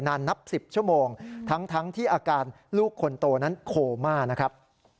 นานนับ๑๐ชั่วโมงทั้งที่อาการลูกคนโตนั้นโคม่านะครับ